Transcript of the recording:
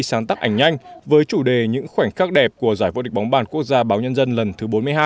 sáng tắt ảnh nhanh với chủ đề những khoảnh khắc đẹp của giải vô địch bóng bàn quốc gia báo nhân dân lần thứ bốn mươi hai